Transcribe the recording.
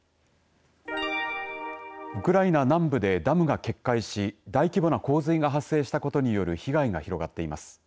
ウクライナ南部でダムが決壊し大規模な洪水が発生したことによる被害が広がっています。